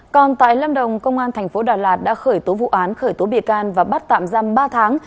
còn tại lâm đồng công an tp đà lạt đã khởi tố vụ án khởi tố bịa can và bắt tạm giam ba tháng